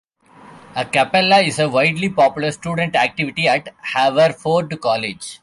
A cappella is a widely popular student activity at Haverford College.